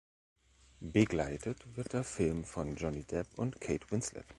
Begleitet wird der Film von Johnny Depp und Kate Winslet.